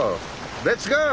レッツゴー！